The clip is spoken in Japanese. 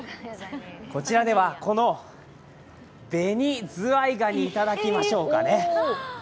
こちらでは、ベニズワイガニいただきましょうかね。